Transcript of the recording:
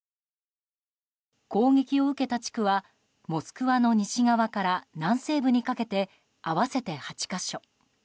攻撃を受けた地区は、モスクワの西側から南西部にかけて合わせて８か所。